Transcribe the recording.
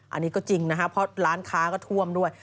อันนี้ก็จริงนะครับเพราะร้านค้าก็ท่วมด้วย